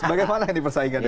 bagaimana ini persaingannya